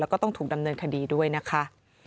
แล้วก็ต้องถูกดำเนินคดีด้วยนะคะ